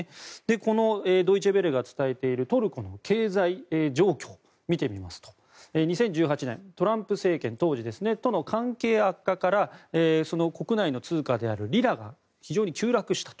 このドイチェ・ヴェレが伝えているトルコの経済状況を見てみますと２０１８年当時のトランプ政権との関係悪化から国内の通貨であるリラが非常に急落したと。